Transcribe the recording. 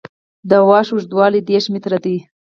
د واش اوږدوالی دېرش متره دی